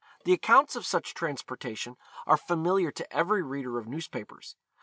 The accounts of such transportation are familiar to every reader of newspapers.